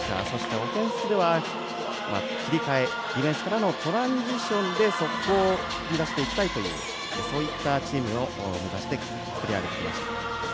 オフェンスでは切り替え、ディフェンスからのトランジションで速攻を目指していきたいというそういったチームを目指して作り上げてきました。